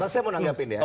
saya mau menanggapin ya